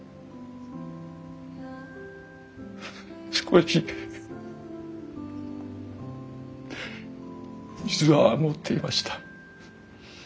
少し水は持っていました。